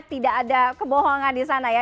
tidak ada kebohongan di sana ya